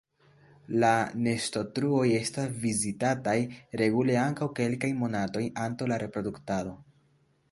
La nestotruoj estas vizitataj regule ankaŭ kelkajn monatojn antaŭ la reproduktado.